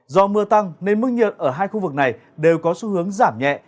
do mưa tăng nên mức nhiệt ở hai khu vực này đều có xu hướng giảm nhẹ